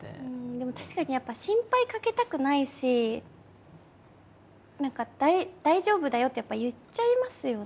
でも確かにやっぱ心配かけたくないし「大丈夫だよ」ってやっぱ言っちゃいますよね。